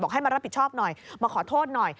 ให้มารับผิดชอบหน่อยมาขอโทษหน่อย